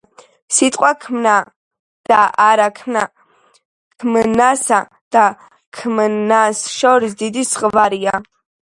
„სიტყვა თქმაა და არა ქმნა. თქმასა და ქმნას შორის დიდი ზღვარია.“